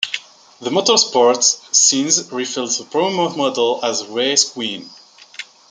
The motorsports scene refers to promo models as race queens.